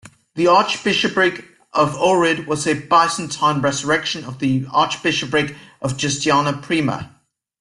The Archbishopric of Ohrid was a Byzantine resurrection of the Archbishopric of Justiniana Prima.